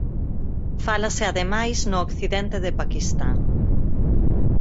Fálase ademais no occidente de Paquistán.